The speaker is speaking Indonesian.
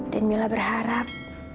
dan mila berharap